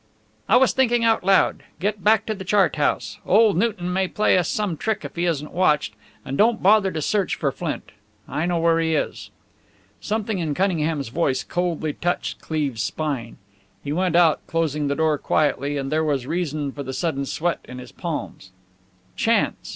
"I was thinking out loud. Get back to the chart house. Old Newton may play us some trick if he isn't watched. And don't bother to search for Flint. I know where he is." Something in Cunningham's tone coldly touched Cleve's spine. He went out, closing the door quietly; and there was reason for the sudden sweat in his palms. Chance!